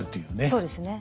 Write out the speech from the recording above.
そうですね。